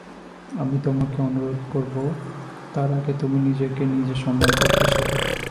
আমি তোমাকে অনুরোধ করব, তার আগে তুমি নিজেকে নিজে সম্মান করতে শেখ।